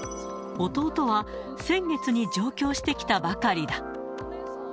弟は先月に上京してきたばかりだ。